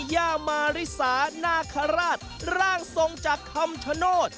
ย่ามาริสานาคาราชร่างทรงจากคำชโนธ